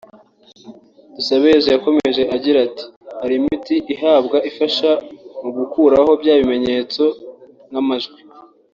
Dusabeyezu yakomeje agigra ati " Hari imiti bahabwa ifasha mu gukuraho bya bimenyetso nk’amajwi